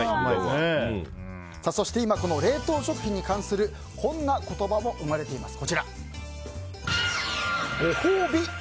今、冷凍食品に関するこんな言葉も生まれています。